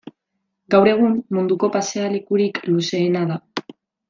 Gaur egun, munduko pasealekurik luzeena da.